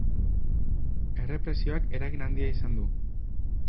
Errepresioak eragin handia izan du.